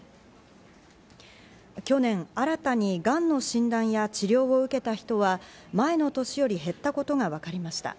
去年、新たにがんの診断や治療を受けた人は、前の年より減ったことがわかりました。